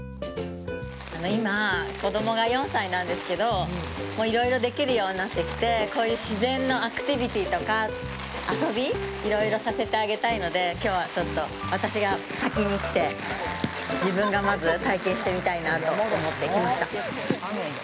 今、子供が４歳なんですけど、もういろいろできるようになってきて、こういう自然のアクティビティとか遊び、いろいろさせてあげたいので、きょうはちょっと私が先に来て、自分がまず体験してみたいなと思って来ました。